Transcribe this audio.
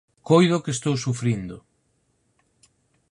Coido que estou sufrindo